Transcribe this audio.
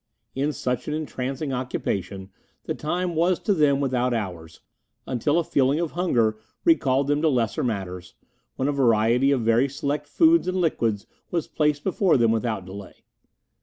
In such an entrancing occupation the time was to them without hours until a feeling of hunger recalled them to lesser matters, when a variety of very select foods and liquids was placed before them without delay.